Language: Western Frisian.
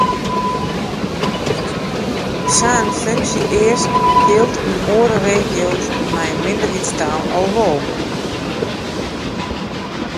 Sa’n funksje-eask jildt yn oare regio’s mei in minderheidstaal al wol.